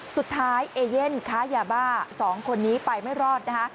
สุดท้ายเอเยนค้ายาบ้า๒คนนี้ไปไม่รอดนะคะ